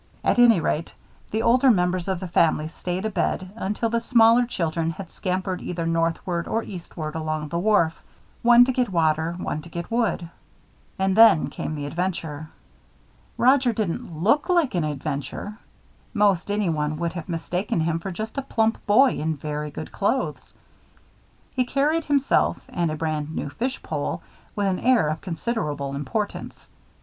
At any rate, the older members of the family stayed abed until the smaller children had scampered either northward or eastward along the wharf, one to get water, one to get wood. And then came the adventure. Roger didn't look like an adventure. Most anyone would have mistaken him for just a plump boy in very good clothes. He carried himself and a brand new fish pole with an air of considerable importance.